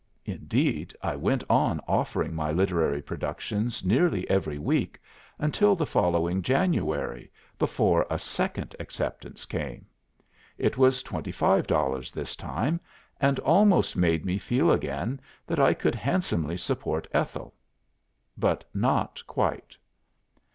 Indeed, I went on offering my literary productions nearly every week until the following January before a second acceptance came. It was twenty five dollars this time, and almost made me feel again that I could handsomely support Ethel. But not quite.